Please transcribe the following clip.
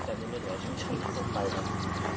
อ่ะไอ้เบี้ยของกูยังขนไม่เท่านี้อ่ะอย่างนี้กัน